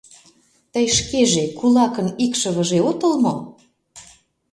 Тый шкеже кулакын икшывыже отыл мо?